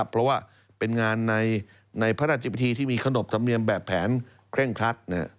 เพราะว่าเป็นงานในพระราชพิธีที่มีขนบธรรมเนียมแบบแผนเคร่งครัด